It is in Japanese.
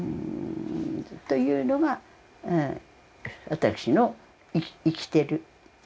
というのが私の生きてる形。